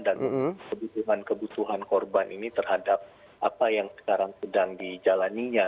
dan kebutuhan kebutuhan korban ini terhadap apa yang sekarang sedang dijalannya